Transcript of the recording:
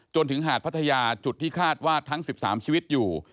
จนถึงหาดพัทยาจุดที่คาดว่าทั้ง๑๓ชีวิตอยู่